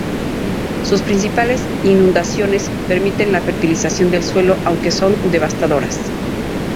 Sus principales inundaciones permiten la fertilización del suelo, aunque son devastadoras.